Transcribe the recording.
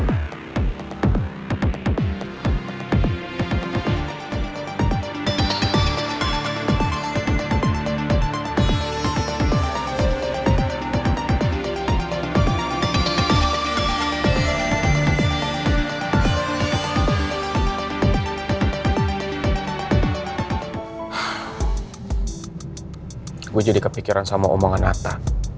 aku jadi kepikiran sama omongan atta